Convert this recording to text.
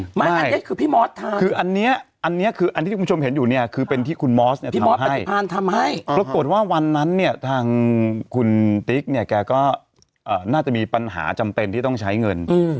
ไม่อันนี้คือพี่มอสทำคืออันนี้อันนี้คืออันที่คุณผู้ชมเห็นอยู่เนี่ยคือเป็นที่คุณมอสเนี่ยพี่มอสปฏิพันธ์ทำให้ปรากฏว่าวันนั้นเนี่ยทางคุณติ๊กเนี่ยแกก็น่าจะมีปัญหาจำเป็นที่ต้องใช้เงิน